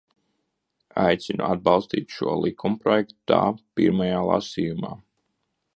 Aicinu atbalstīt šo likumprojektu tā pirmajā lasījumā.